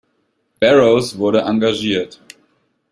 Barrows wurde engagiert.